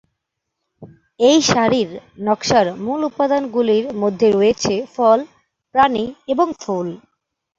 এই শাড়ির নকশার মূল উপাদানগুলির মধ্যে রয়েছে ফল, প্রাণী এবং ফুল।